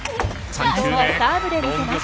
ここはサーブで見せます。